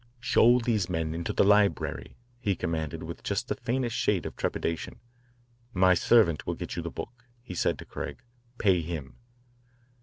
"Show these men into the library," he commanded with just the faintest shade of trepidation. "My servant will give you the book," he said to Craig. "Pay him."